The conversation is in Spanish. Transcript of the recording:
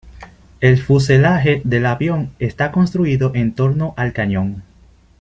El fuselaje del avión está construido en torno al cañón.